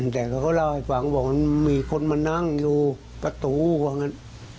ตามเค้าเล่าให้ฟังบอกมีคนมานั่งอยู่ประตูเหมือนเงี้ย